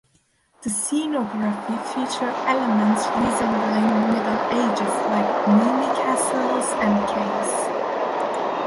The scenography featured elements resembling Middle Ages-like gloomy castles and caves.